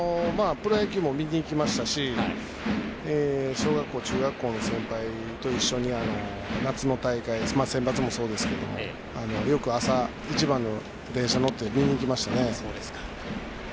プロ野球も見に行きましたし小学校、中学校の先輩と一緒に夏の大会、センバツもそうですがよく朝一番の電車に乗って見に行きましたね。